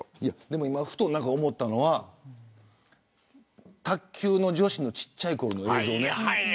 ふと思ったのは卓球の女子の小さいころの映像。